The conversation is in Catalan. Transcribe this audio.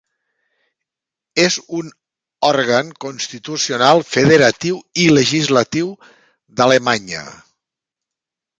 És un òrgan constitucional federatiu i legislatiu d'Alemanya.